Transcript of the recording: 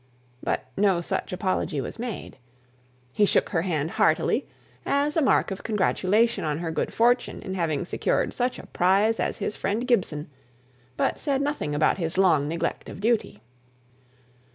But no such apology was made. He shook her hand heartily, as a mark of congratulation on her good fortune in having secured such a prize as his friend Gibson, but said nothing about his long neglect of duty.